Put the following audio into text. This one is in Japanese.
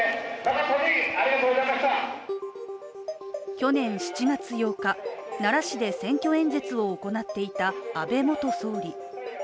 去年７月８日、奈良市で選挙演説を行っていた安倍元総理。